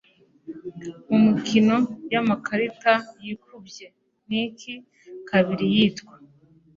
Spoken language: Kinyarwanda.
Mumikino Yamakarita Yikubye Niki Kabiri Yitwa